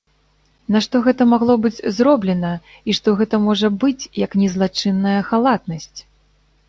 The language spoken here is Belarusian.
Нашто гэта магло быць зроблена, і што гэта можа быць, як не злачынная халатнасць?